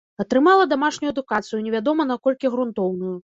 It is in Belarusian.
Атрымала дамашнюю адукацыю, невядома наколькі грунтоўную.